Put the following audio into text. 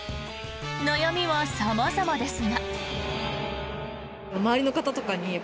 悩みは様々ですが。